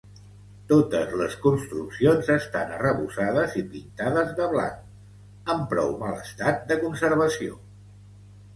Totes les construccions estan arrebossades i pintades de blanc, en prou mal estat de conservació.